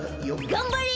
がんばれ！